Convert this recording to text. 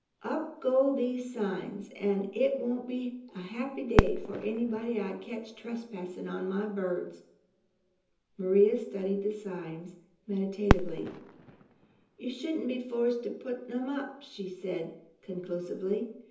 Up go these signs, an' it won't be a happy day for anybody I catch trespassin' on my birds." Maria studied the signs meditatively. "You shouldn't be forced to put 'em up," she said conclusively.